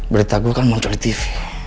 berita gue kan muncul di tv